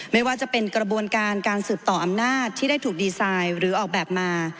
ไม่ว่าจะเป็นกระบวนการการสืบต่ออำนาจที่ได้ถูกดีไซน์หรือออกแบบมา